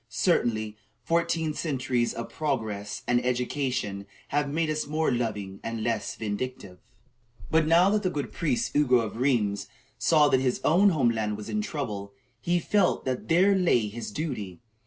Certainly, fourteen centuries of progress and education have made us more loving and less vindictive. But now that the good priest Ugo of Rheims saw that his own home land was in trouble, he felt that there lay his duty.